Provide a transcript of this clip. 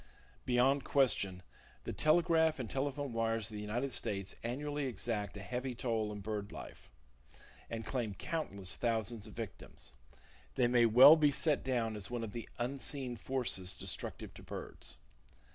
Beyond question, the telegraph and telephone wires of the United States annually exact a heavy toll in bird life, and claim countless thousands of victims. They may well be set down as one of the unseen forces destructive to birds.